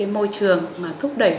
môi trường mà thúc đẩy